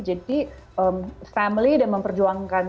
jadi family dan memperjuangkan keluarga